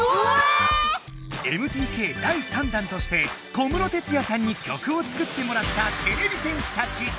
ＭＴＫ第３弾として小室哲哉さんに曲を作ってもらったてれび戦士たち。